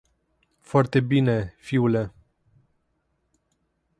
Foarte bine, fiule.